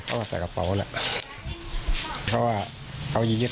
เขาว่าเขายืดไว้เขาบอกตาเขาจ้างอย่างนี้อืม